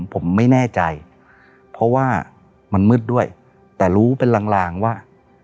ผมไม่แน่ใจเพราะว่ามันมืดด้วยแต่รู้เป็นลางลางว่า